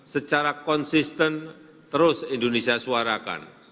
secara konsisten terus indonesia suarakan